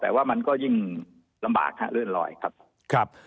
แต่ว่ามันก็ยิ่งลำบากฮะเลื่อนลอยครับ